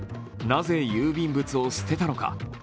なぜ、郵便物を捨てたのか。